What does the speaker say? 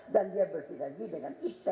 dan dia bersenjati dengan